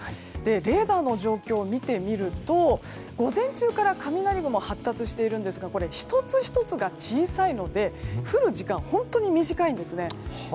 レーダーの状況を見ると午前中から雷雲が発達しているんですが１つ１つが小さいので降る時間は本当に短いんです。